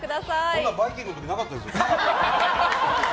こんなの「バイキング」でなかったですよ。